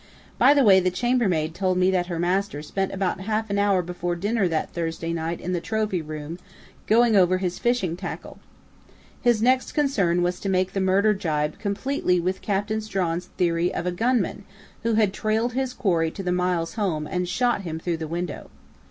By the way, the chambermaid told me that her master spent about half an hour before dinner that Thursday night in the trophy room, 'going over his fishing tackle'.... His next concern was to make the murder jibe completely with Captain Strawn's theory of a gunman who had trailed his quarry to the Miles home and shot him through the window.